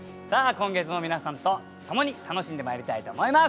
今月も皆さんと共に楽しんでまいりたいと思います。